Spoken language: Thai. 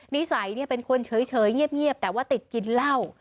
นิสัยเป็นคนเฉยเงียบแต่ว่าติดกินเหล้า